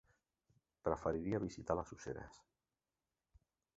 Preferiria visitar les Useres.